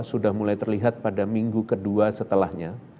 sudah mulai terlihat pada minggu kedua setelahnya